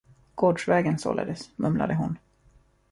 Gårdsvägen således, mumlade hon.